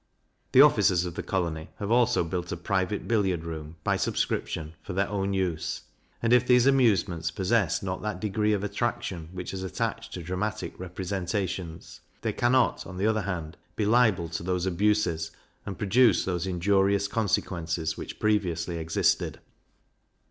The officers of the colony have also built a private billiard room, by subscription, for their own use; and if these amusements possess not that degree of attraction which is attached to dramatic representations, they cannot, on the other hand, be liable to those abuses, and produce those injurious consequences, which previously existed.